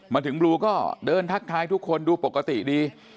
มาถึงบลูก็เดินทักทายทุกคนดูปกติดี